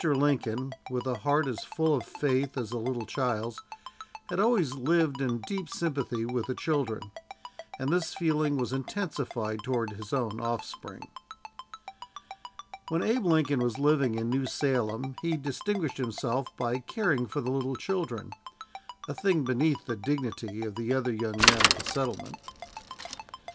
Lincoln, with a heart as full of faith as a little child's, had always lived in deep sympathy with the children, and this feeling was intensified toward his own offspring. When Abe Lincoln was living in New Salem he distinguished himself by caring for the little children a thing beneath the dignity of the other young men of the settlement.